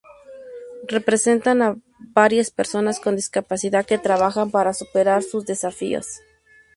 Representa a varias personas con discapacidad que trabajan para superar sus desafíos.